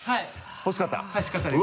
欲しかったです。